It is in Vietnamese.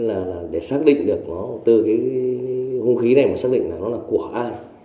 nên là để xác định được nó từ cái hung khí này mà xác định là nó là của ai